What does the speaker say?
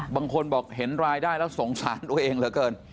บางคนบอกเห็นรายได้แล้วสงสารตัวเองเหลือเกิน